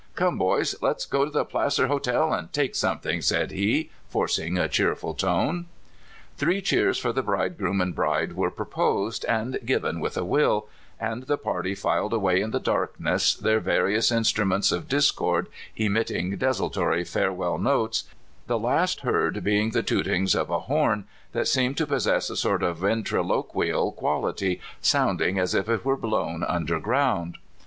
"Come, boys, let's go to the Placer Hotel and take something," said he, forcing a cheerful tone. 20 306 CALIFORNIA SKETCHES. Three cheers for the bridegroom and bride were proposed and given with a will, and the party filed away in the darkness, their various in struments of discord emitting desultory farewell notes, the last heard being the tootings of a horn that seemed to possess a sort of ventriloquial qual ity, sounding as if it were blown under ground.